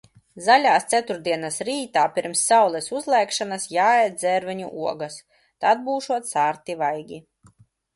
Zaļās Ceturtdienas rītā pirms saules uzlēkšanas jāēd dzērveņu ogas, tad būšot sārti vaigi.